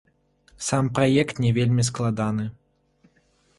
Сам праект не вельмі складаны.